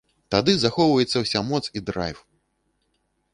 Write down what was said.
Тады захоўваецца ўся моц і драйв!